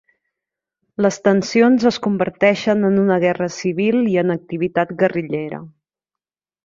Les tensions es converteixen en una guerra civil i en activitat guerrillera.